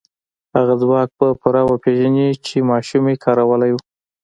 هغه ځواک به پوره وپېژنئ چې ماشومې کارولی و.